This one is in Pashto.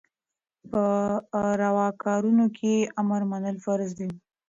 په رواکارونو کي يي امر منل فرض دي